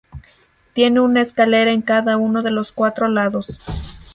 Tiene una escalera en cada uno de los cuatro lados.